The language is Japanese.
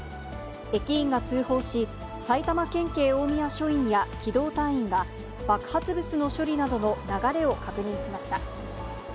駅員が通報し、埼玉県警大宮署員や機動隊員が、爆発物の処理などの流れを確認しました。